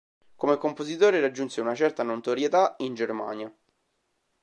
Come compositore raggiunse una certa notorietà in Germania.